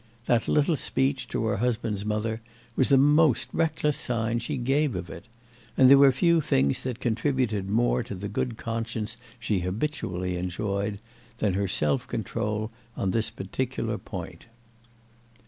That little speech to her husband's mother was the most reckless sign she gave of it; and there were few things that contributed more to the good conscience she habitually enjoyed than her self control on this particular point.